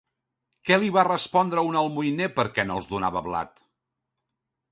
Què li va respondre a un almoiner perquè no els donava blat?